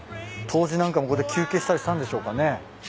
杜氏なんかもここで休憩したりしたんでしょうかね。